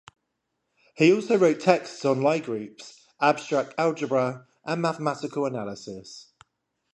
He also wrote texts on Lie groups, abstract algebra and mathematical analysis.